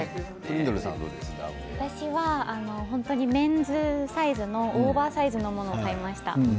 私はメンズサイズのオーバーサイズのものを買いました。